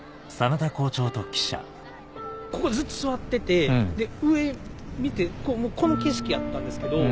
ここずっと座ってて上見てこの景色やったんですけど。